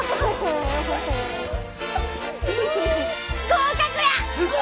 合格や！